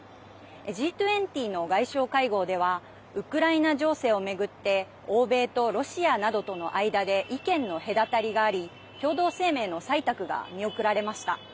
Ｇ２０の外相会合ではウクライナ情勢を巡って欧米とロシアなどとの間で意見の隔たりがあり共同声明の採択が見送られました。